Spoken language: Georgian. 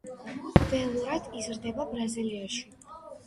ველურად იზრდება ბრაზილიაში.